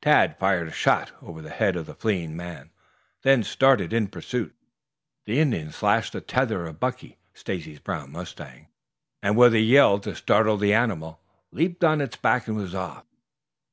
Tad fired a shot over the head of the fleeing man, then started in pursuit. The Indian slashed the tether of Buckey, Stacy Brown's mustang, and with a yell to startle the animal, leaped on its back and was off.